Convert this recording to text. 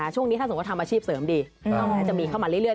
ช่วงนี้ถ้าสมมุติทำอาชีพเสริมดีจะมีเข้ามาเรื่อย